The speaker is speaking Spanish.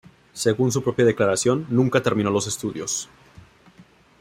Según su propia declaración, nunca terminó los estudios.